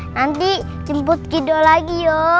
nanti jemput kidol lagi yoo